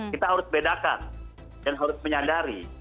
kita harus bedakan dan harus menyadari